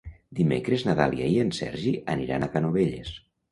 Dimecres na Dàlia i en Sergi aniran a Canovelles.